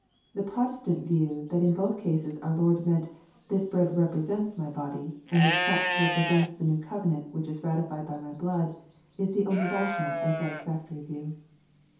— ^The Protestant view that in both cases our Lord meant " this bread represerUs my body," and " this cup represents the new covenant which is ratified by my blood," is the only ra tional and satisfactory view.